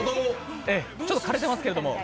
ちょっとかれてますけど。